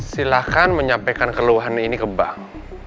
silahkan menyampaikan keluhan ini ke bank